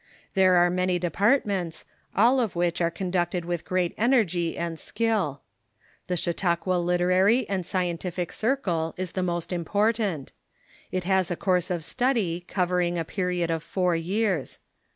There are many departments, all of which are conducted with great energy and skill. The Chautauqua Literarj' and Scien tific Circle is the most important. It has a course of study covering a period of four years.